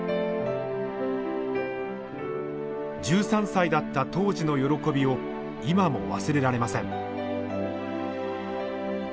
１３歳だった当時の喜びを今も忘れられません。